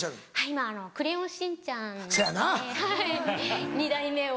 今『クレヨンしんちゃん』２代目を。